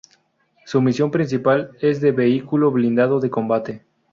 Su misión principal es de vehículo blindado de combate.